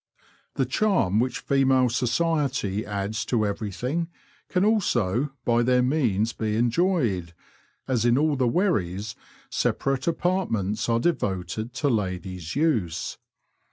The charm which female society adds to everythmg can also by their means be enjoyed, as in all the wherries separate apart ments are devoted to ladies' use.